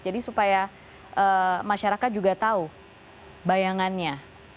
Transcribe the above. jadi supaya masyarakat juga tahu bayangannya